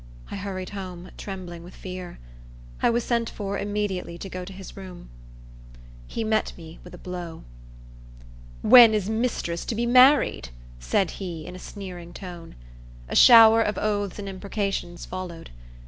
I hurried home, trembling with fear. I was sent for, immediately, to go to his room. He met me with a blow. "When is mistress to be married?" said he, in a sneering tone. A shower of oaths and imprecations followed.